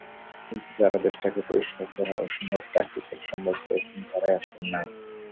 কিন্তু যাঁরা দেশটাকে পরিষ্কার করার অসম্ভব কাজটিকে সম্ভব করছেন, তাঁরাই আসল নায়ক।